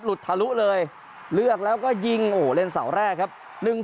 ทะลุเลยเลือกแล้วก็ยิงโอ้โหเล่นเสาแรกครับ